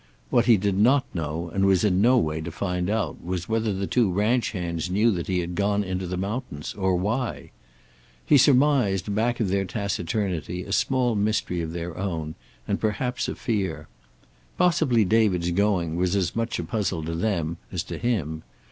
What he did not know, and was in no way to find out, was whether the two ranch hands knew that he had gone into the mountains, or why. He surmised back of their taciturnity a small mystery of their own, and perhaps a fear. Possibly David's going was as much a puzzle to them as to him.